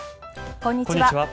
こんにちは。